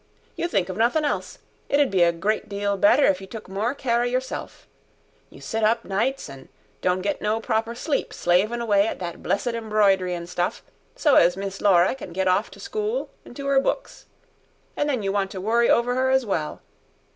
"You think of nothin' else. It 'ud be a great deal better if you took more care o' yourself. You sit up nights an' don't get no proper sleep slavin' away at that blessed embroid'ry an' stuff, so as Miss Laura can get off to school an' to 'er books. An' then you want to worry over 'er as well.